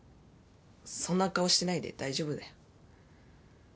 そんな顔してないで大丈夫だよ。